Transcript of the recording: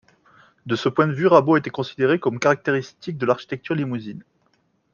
De ce point de vue, Rabaud a été considéré comme caractéristique de l'architecture limousine.